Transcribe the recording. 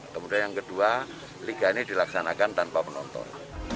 kemudian yang kedua liga ini dilaksanakan tanpa penonton